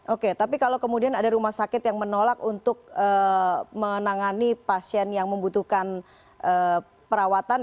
oke tapi kalau kemudian ada rumah sakit yang menolak untuk menangani pasien yang membutuhkan perawatan